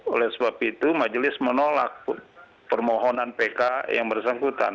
oleh sebab itu majelis menolak permohonan pk yang bersangkutan